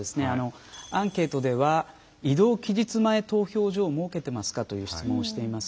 アンケートでは移動期日前投票所を設けていますかという質問をしています。